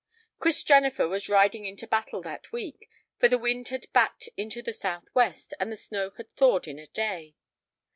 Chris Jennifer was riding into Battle that week, for the wind had backed into the southwest, and the snow had thawed in a day.